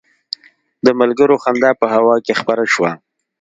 د ملګرو خندا په هوا کې خپره شوه.